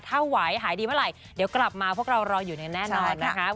ถ้าไหวหายดีเมื่อไหร่เดี๋ยวกลับมาพวกเรารออยู่ในแน่นอนนะคะ